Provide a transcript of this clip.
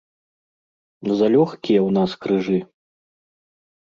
Залёгкія ў нас крыжы.